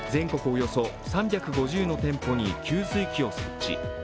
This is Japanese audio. およそ３５０の店舗に給水器を設置。